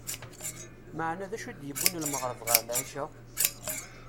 Maɛna d acu d-yewwin lmeɣreb ɣer lɛica ?